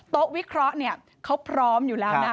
โต๊ะวิเคราะห์เขาพร้อมอยู่แล้วนะ